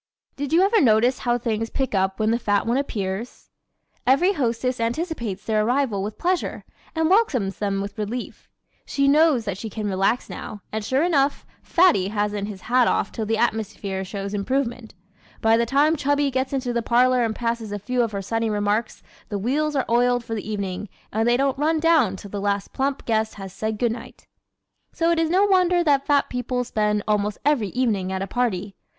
Did you ever notice how things pick up when the fat ones appear? Every hostess anticipates their arrival with pleasure and welcomes them with relief. She knows that she can relax now, and sure enough, Fatty hasn't his hat off till the atmosphere shows improvement. By the time Chubby gets into the parlor and passes a few of her sunny remarks the wheels are oiled for the evening and they don't run down till the last plump guest has said good night. ¶ So it is no wonder that fat people spend almost every evening at a party.